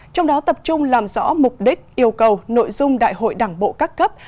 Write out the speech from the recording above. trong đó tập trung làm rõ mục đích yêu cầu nội dung đại hội đảng bộ các cấp